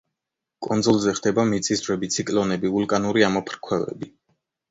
კუნძულზე ხდება მიწისძვრები, ციკლონები, ვულკანური ამოფრქვევები.